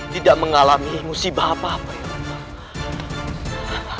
tidak mengalami musibah apa apa ya allah